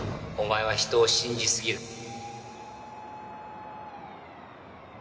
お前は人を信じすぎる